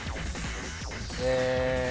え。